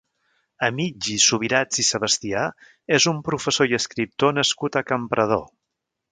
Emigdi Subirats i Sebastià és un professor i escriptor nascut a Campredó.